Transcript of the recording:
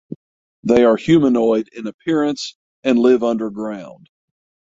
They are humanoid in appearance and live underground.